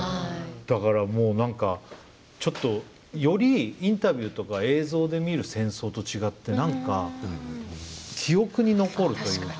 だからもう何かちょっとよりインタビューとか映像で見る戦争と違って何か記憶に残るというか。